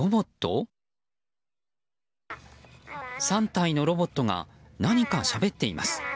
３体のロボットが何かしゃべっています。